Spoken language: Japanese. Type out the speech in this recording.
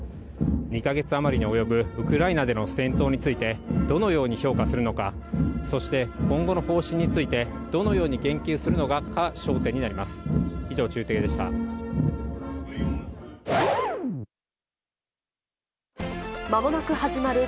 ２か月余りに及ぶウクライナでの戦闘についてどのように評価するのか、そして、今後の方針について、どのように言及するのかが焦点になります。